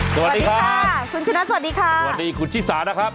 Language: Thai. สวัสดีค่ะคุณชนะสวัสดีค่ะสวัสดีคุณชิสานะครับ